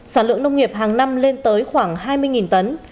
sản lượng nông nghiệp hàng năm lên tới khoảng hai mươi tấn